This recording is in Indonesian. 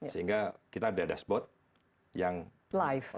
sehingga kita ada dashboard yang live